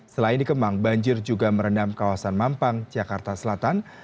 selain di kemang banjir juga merendam kawasan mampang jakarta selatan